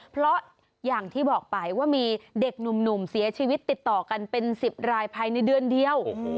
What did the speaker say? เพราะอย่างที่บอกไปว่ามีเด็กหนุ่มเสียชีวิตติดต่อกันเป็น๑๐รายภายในเดือนเดียว